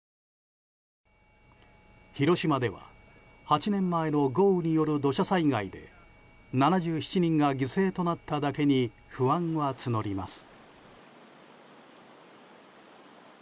広島では８年前の豪雨による土砂災害で７７人が犠牲となっただけに不安は募ります。